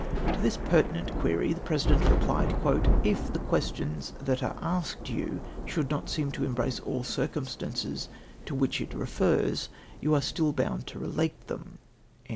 To this pertment query the President replied ;" If the questions that are asked you should not seem to embrace all the circumstances to icJdch it refers^ you are still bound to relate them."